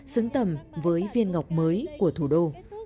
xứng tầm với viên ngọc mới của thủ đô